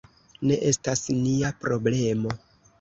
Ne estas nia problemo.